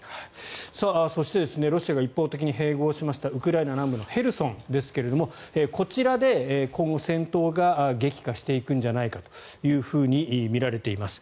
そしてロシアが一方的に併合しましたウクライナ南部のヘルソンですがこちらで今後、戦闘が激化していくんじゃないかとみられています。